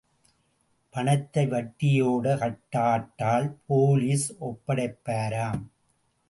பணத்தை வட்டியோட கட்டாட்டால் போலீஸ்ல ஒப்படைப்பாராம்.